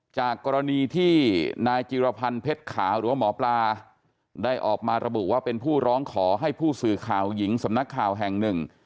จากกรณีที่นายจิรพันธ์เพชรขาวหรือว่าหมอปลาได้ออกมาระบุว่าเป็นผู้ร้องขอให้ผู้สื่อข่าวหญิงสำนักข่าวแห่งหนึ่ง